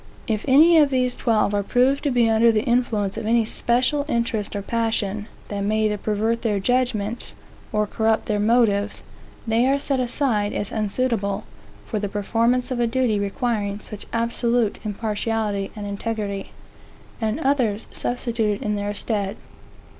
If any of these twelve are proved to be under the influence of any special interest or passion, that may either pervert their judgments, or corrupt their motives, they are set aside as unsuitable for the performance of a duty requiring such absolute impartiality and integrity; and others substituted in their stead.